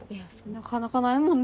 なかなかないもんね。